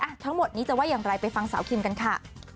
ทั้งหมดนี้จะว่าอย่างไรไปฟังสาวคิมกันค่ะ